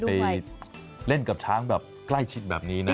ได้โอกาสดีได้ไปเล่นกับช้างแบบใกล้ชิดแบบนี้นะ